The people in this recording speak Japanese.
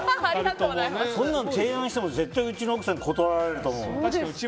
そんなの提案しても絶対にうちの奥さんには断られると思う。